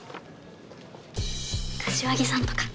柏木さんとか。